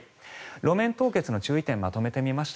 路面凍結の注意点をまとめてみました。